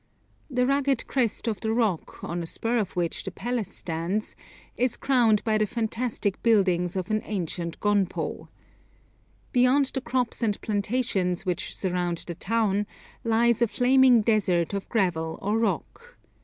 The rugged crest of the rock on a spur of which the palace stands is crowned by the fantastic buildings of an ancient gonpo. Beyond the crops and plantations which surround the town lies a flaming desert of gravel or rock.